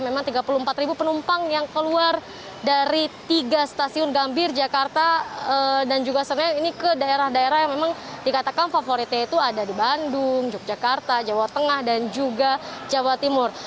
memang tiga puluh empat penumpang yang keluar dari tiga stasiun gambir jakarta dan juga semeru ini ke daerah daerah yang memang dikatakan favoritnya itu ada di bandung yogyakarta jawa tengah dan juga jawa timur